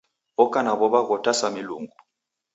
Oka na w'ow'a ghotasa milungu.